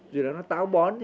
rồi nó táo bón